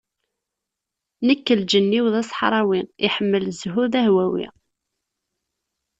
Nekk lǧenn-iw d aṣeḥrawi, iḥemmel zzhu, d ahwawi.